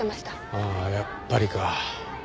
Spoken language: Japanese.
ああやっぱりか。